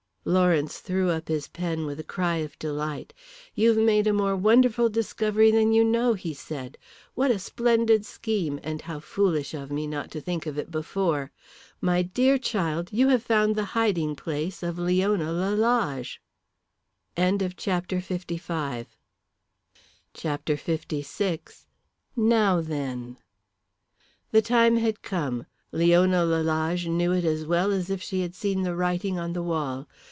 Lawrence threw up his pen with a cry of delight "You've made a more wonderful discovery than you know," he said. "What a splendid scheme, and how foolish of me not to think of it before. My dear child, you have found the hiding place of Leona Lalage!" CHAPTER LVI. NOW THEN! The time had come. Leona Lalage knew it as well as if she had seen the writing on the wall.